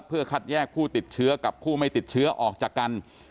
เพื่อคัดแยกผู้ติดเชื้อกับผู้ไม่ติดเชื้อออกจากกัน